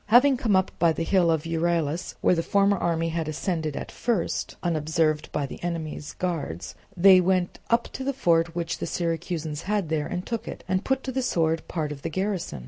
Having come up by the hill of Euryelus (where the former army had ascended at first) unobserved by the enemy's guards, they went up to the fort which the Syracusans had there, and took it, and put to the sword part of the garrison.